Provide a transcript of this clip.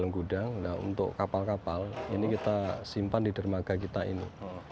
muat ya kapal segede gini